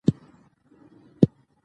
هغوی پوښتل چې ولې یې کور په یاد نه دی.